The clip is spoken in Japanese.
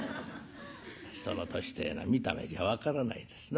人の年てえのは見た目じゃ分からないですな。